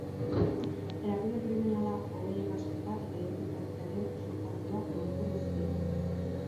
Erakunde kriminala, hogei ebasketa eta identitatearen usurpazioa egozten dizkiete.